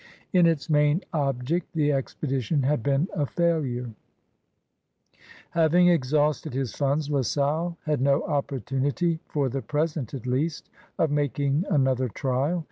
In its main object the expedition had been a failure. lA SALLE AND THE VOYAGEURS 108 Having exhausted his funds, La Salle had no opportimity, for the present at least, of making another trial.